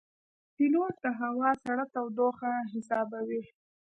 پیلوټ د هوا سړه تودوخه حسابوي.